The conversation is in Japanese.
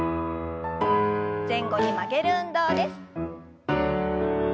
前後に曲げる運動です。